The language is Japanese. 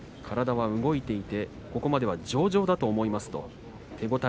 体は動いていてここまでは上々だと思います